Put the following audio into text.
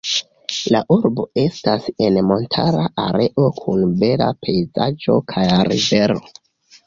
La urbo estas en montara areo kun bela pejzaĝo kaj rivero.